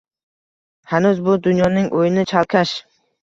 Hanuz bu dunyoning o’yini chalkash.